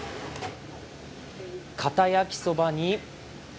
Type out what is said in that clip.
かた焼きそばに。